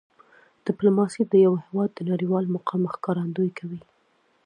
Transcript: ډیپلوماسي د یو هېواد د نړیوال مقام ښکارندویي کوي.